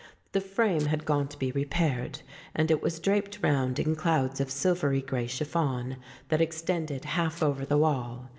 The frame had gone to be repaired, and it was draped round in clouds of silvery grey chiffon that extended half over the wall.